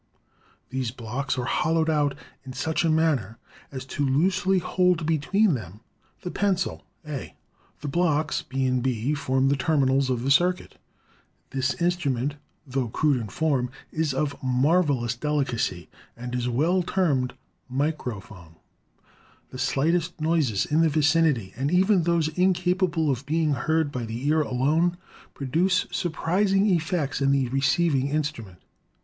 These blocks are hol lowed out in such a manner as to loosely hold between them the pencil, A. The blocks, B, B, form the terminals of the circuit. This instrument, tho crude in form, Fig 39 — Hughes' Carbon and Nail Microphones. (From Miller's American Telephone Practice.) is of marvelous delicacy and is well termed microphone. The slightest noises in its vicinity, and even those incapa ble of being heard by the ear alone, produce surprising effects in the receiving instrument.